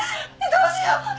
どうしよう私！